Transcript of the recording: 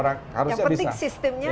yang penting sistemnya ada